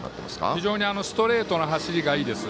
非常にストレートの走りがいいです。